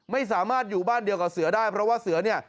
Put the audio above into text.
ไม่สามารถอยู่บ้านเดียวกับเสือได้เพราะว่าเสือเนี่ย